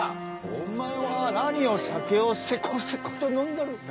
お前は何を酒をセコセコと飲んでる？